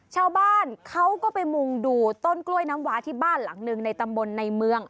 ชาวบ้านเขาก็ไปมุงดูต้นกล้วยน้ำวาที่บ้านหลังหนึ่งในตำบลในเมือง